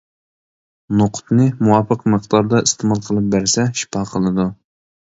نوقۇتنى مۇۋاپىق مىقداردا ئىستېمال قىلىپ بەرسە شىپا قىلىدۇ.